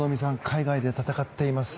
海外で戦っています。